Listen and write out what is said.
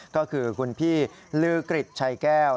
ก็คือคุณพี่ลือกริจชัยแก้ว